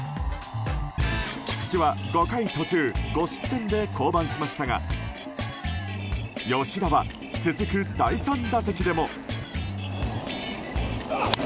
菊池は５回途中５失点で降板しましたが吉田は、続く第３打席でも。